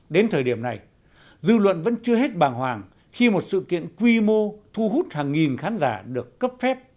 đến thời điểm này dư luận vẫn chưa hết bàng hoàng khi một sự kiện quy mô thu hút hàng nghìn khán giả được cấp phép